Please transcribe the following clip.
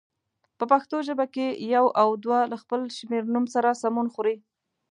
په پښتو ژبه کې یو او دوه له خپل شمېرنوم سره سمون خوري.